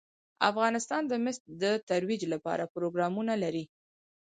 افغانستان د مس د ترویج لپاره پروګرامونه لري.